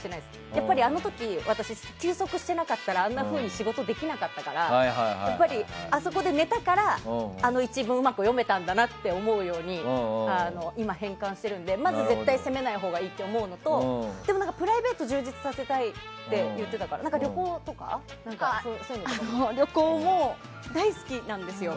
やっぱりあの時、私は休息していなかったらあんなふうに仕事できなかったらやっぱり、あそこで寝たからあの一文をうまく読めたんだなと思うように今、変換しているのでまず、絶対に責めないほうがいいのとでもプライベートを充実させたいって言ってたから旅行も大好きなんですよ。